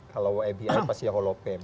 kalau ebi pasti holopem